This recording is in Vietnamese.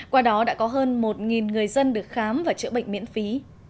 qua đó đã có hơn một người dân được khám và chữa bệnh miễn phí